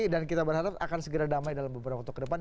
dan kita berharap akan segera damai dalam beberapa waktu kedepan